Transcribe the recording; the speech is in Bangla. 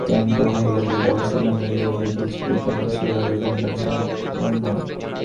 ক্যাণ্ট ও হেগেলের দর্শন আমরা যেভাবে বুঝি, বেদান্ত সেই ভাবের কোন দর্শনশাস্ত্র নয়।